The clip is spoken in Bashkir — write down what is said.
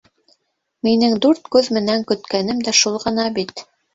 Минең дүрт күҙ менән көткәнем дә шул ғына бит.